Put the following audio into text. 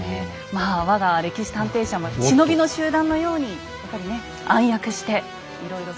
まあ我が歴史探偵社も忍びの集団のようにやっぱりね暗躍していろいろ。